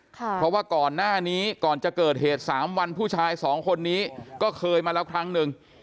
เพราะว่าก่อนหน้านี้ก่อนจะเกิดเหตุ๓วันผู้ชายสองคนนี้ก็เคยมาแล้วครั้งหนึ่ง